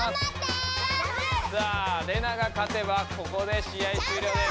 さあレナが勝てばここで試合終了です。